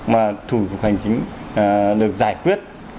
mà thủ hành chính được giải quyết